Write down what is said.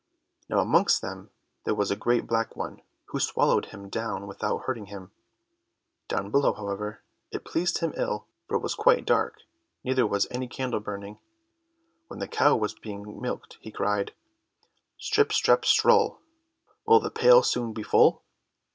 Now amongst them there was a great black one, who swallowed him down without hurting him. Down below, however, it pleased him ill, for it was quite dark, neither was any candle burning. When the cow was being milked he cried, "Strip, strap, strull, Will the pail soon be full?"